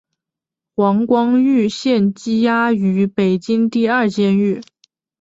黄光裕现羁押于北京市第二监狱。